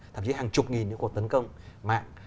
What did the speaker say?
thậm chí hàng chục nghìn những cuộc tấn công mạng